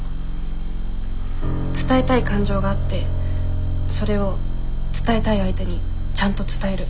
伝えたい感情があってそれを伝えたい相手にちゃんと伝える。